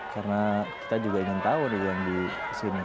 karena kita juga ingin tahu dulu yang di sini